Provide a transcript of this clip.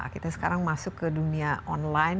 kita sekarang masuk ke dunia online